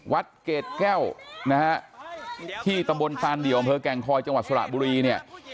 เกรดแก้วนะฮะที่ตะบนตานเดี่ยวอำเภอแก่งคอยจังหวัดสระบุรีเนี่ย